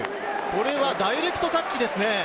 これはダイレクトタッチですね。